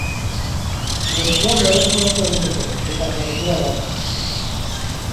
Gorpua berreskuratu egin dute, eta portura eraman.